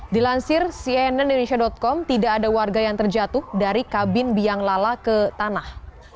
dilansir cnn indonesia com tidak ada warga yang terjatuh dari kabin biang lala ke tanah